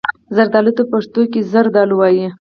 زردالو ته په پښتو کې زردالو وايي.